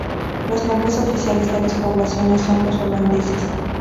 Los nombres oficiales de las poblaciones son los holandeses.